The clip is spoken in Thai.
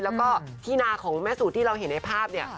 แล้วก็ที่นาของแม่สูตรที่เราเห็นในภาพเนี่ย